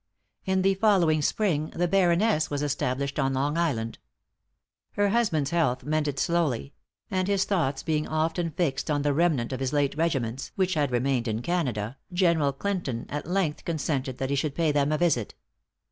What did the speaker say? In the following spring, the Baroness was established on Long Island. Her husband's health mended slowly; and his thoughts being often fixed on the remnant of his late regiments, which had remained in Canada, General Clinton at length consented that he should pay them a visit.